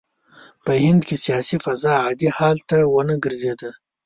په هند کې سیاسي فضا عادي حال ته ونه ګرځېده.